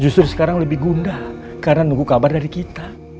ketika edward pulang febri menangis